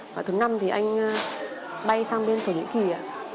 và thứ năm thì anh bay sang bên thổ nhĩ kỳ